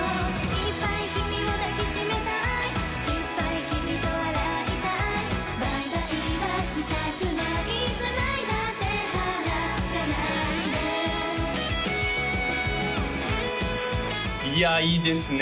いっぱい君を抱きしめたいいっぱい君と笑いたいバイバイはしたくない繋いだ手離さないでいやいいですね